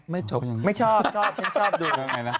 ไม่ชอบไม่ชอบชอบดู